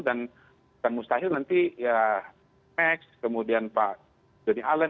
dan akan mustahil nanti ya max kemudian pak johnny allen